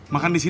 makan di sini